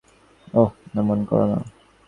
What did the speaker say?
ওহ, এমন করো না।